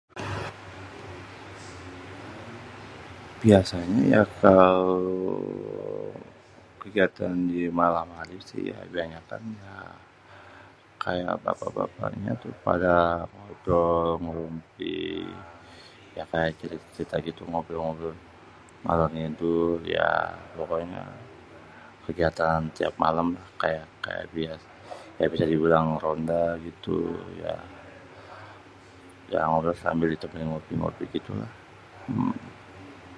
Biasanyé ya kalo kegiatan di malam hari sih ya kebanyakan ya kayak bapak-bapaknya tuh pada ngobrol, ngerumpi, ya kayak cerita-cerita gitu ngobrol-ngobrol ngalor-ngidul ya pokoknya kegiatan tiap malem kayak, kayak, kayak biasanya dibilang ronda gitu ya, yang harus sambil ditemenin ngopi-ngopi gitu lah.